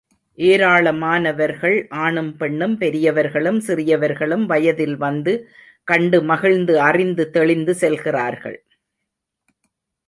ஏராளமானவர்கள், ஆணும் பெண்ணும், பெரியவர்களும் சிறியவர்களும் வயதில் வந்து, கண்டு மகிழ்ந்து, அறிந்து, தெளிந்து செல்கிறார்கள்.